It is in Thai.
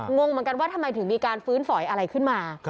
งงเหมือนกันว่าทำไมถึงมีการฟื้นฝอยอะไรขึ้นมา